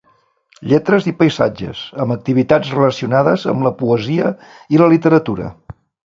Lletres i Paisatges, amb activitats relacionades amb la poesia i la literatura.